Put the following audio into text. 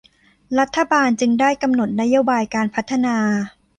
รัฐบาลจึงได้กำหนดนโยบายการพัฒนา